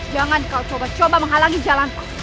jangan kau coba coba menghalangi jalanku